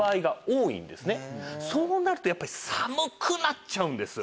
そうなるとやっぱり寒くなっちゃうんです。